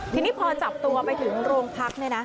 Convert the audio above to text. ทีนี้พอจับตัวไปถึงโรงพัก